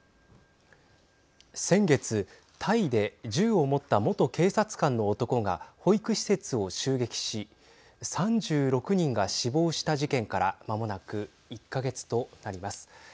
先月、タイで銃を持った元警察官の男が保育施設を襲撃し３６人が死亡した事件からまもなく１か月となります。